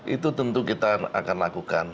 itu tentu kita akan lakukan